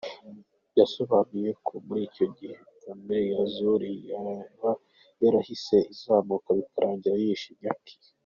Yasobanuye ko muri icyo gihe, kamere ya Zuri yaba yarahise izamuka, bikarangira yishe Nyack.